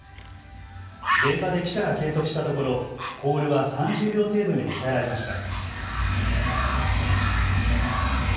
現場で記者が計測したところ、コールは３０秒程度に抑えられました。